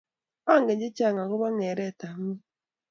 Angen chechang agoba geretab ngweny